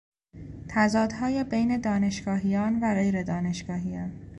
تضادهای بین دانشگاهیان و غیر دانشگاهیان